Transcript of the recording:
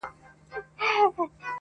په دې ښار كي د قدرت لېوني ډېر وه!.